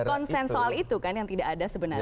konsen soal itu kan yang tidak ada sebenarnya